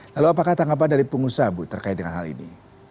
lalu apakah tanggapan dari pengusaha bu terkait dengan hal ini